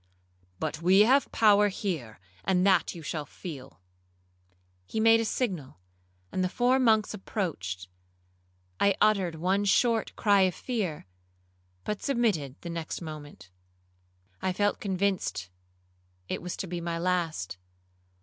'But we have power here, and that you shall feel.' He made a signal, and the four monks approached. I uttered one short cry of fear, but submitted the next moment. I felt convinced it was to be my last.